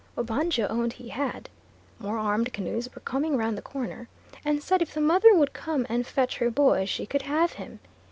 Obanjo owned he had (more armed canoes were coming round the corner), and said if the mother would come and fetch her boy she could have him.